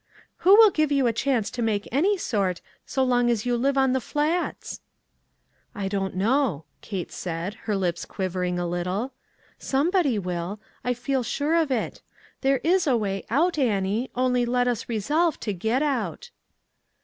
" Who will give you a chance to make any sort, so long as you live on the Flats ?"" I don't know," Kate said, her lips quiv ering a little. " Somebody will ; I feel sure of it. There is a way out, Annie ; only let us resolve to get out."